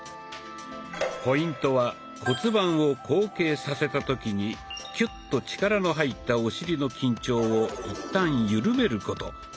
ポイントは骨盤を後傾させた時にキュッと力の入ったお尻の緊張をいったんゆるめること。